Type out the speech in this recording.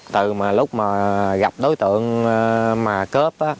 từ lúc mà gặp đối tượng mà cướp á